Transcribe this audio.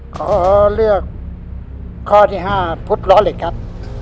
ขอเลือกข้อที่๕พุทธล้อเหล็กครับ